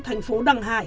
thành phố đằng hải